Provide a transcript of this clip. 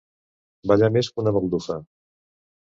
Ballar més que una baldufa.